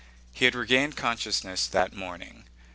He had regained consciousness that morning.